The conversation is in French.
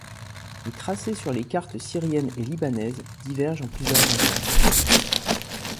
Les tracés sur les cartes syriennes et libanaises divergent en plusieurs endroits.